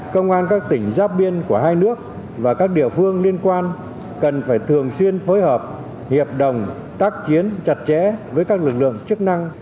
công an các tỉnh giáp biên của hai nước và các địa phương liên quan cần phải thường xuyên phối hợp hiệp đồng tác chiến chặt chẽ với các lực lượng chức năng